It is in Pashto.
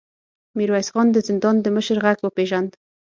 ميرويس خان د زندان د مشر غږ وپېژاند.